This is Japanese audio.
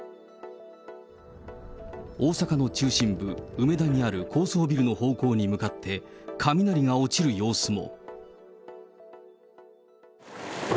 大阪の中心部、梅田にある高層ビルの方向に向かって、雷が落ちる様子も。